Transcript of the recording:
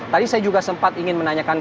tadi saya juga sempat ingin menanyakan